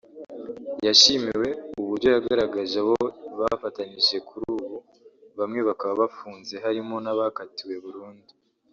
yashimiwe uburyo yagaragaje abo bafatanyije kuri ubu bamwe bakaba bafunze harimo n’abakatiwe burundu